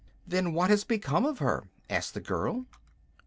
"Then what has become of her?" asked the girl.